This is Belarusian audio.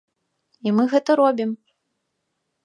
І мы гэта робім.